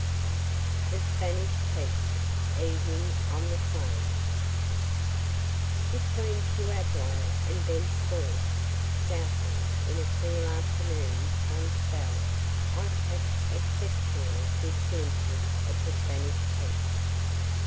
THE SPANISH PEAKS EVENING ON THE PLAINS Between Pueblo and Bent's fort, southward, in a clear afternoon sun spell I catch exceptionally good glimpses of the Spanish peaks.